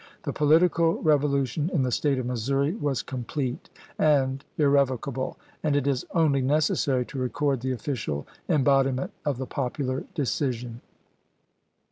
The political revolution in the State of Missouri was complete and irrevocable, and it is only necessary to record the official embod iment of the popular decision.